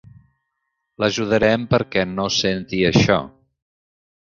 L'ajudarem perquè no senti això.